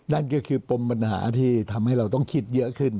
นั่นก็คือปมปัญหาที่ทำให้เราต้องคิดเยอะขึ้น